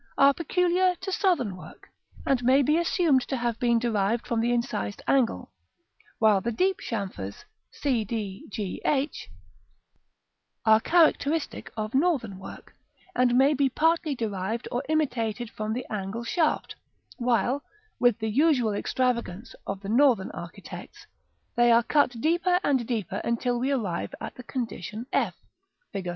are peculiar to southern work; and may be assumed to have been derived from the incised angle, while the deep chamfers, c, d, g, h, are characteristic of northern work, and may be partly derived or imitated from the angle shaft; while, with the usual extravagance of the northern architects, they are cut deeper and deeper until we arrive at the condition f, Fig.